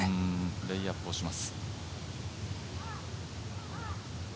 レイアップをします。